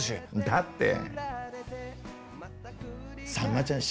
だって。